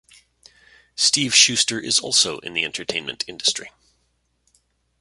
Steve Shuster is also in the entertainment industry.